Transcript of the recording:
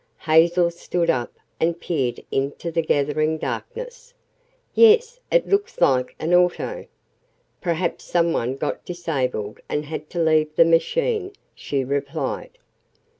Hazel stood up and peered into the gathering darkness. "Yes; it looks like an auto. Perhaps some one got disabled, and had to leave the machine," she replied.